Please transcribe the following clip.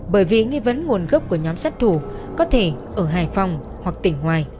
bởi vì nghi vấn nguồn gốc của nhóm sát thủ có thể ở hải phòng hoặc tỉnh ngoài